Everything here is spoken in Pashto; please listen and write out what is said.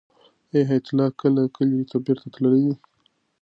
آیا حیات الله کله کلي ته بېرته تللی دی؟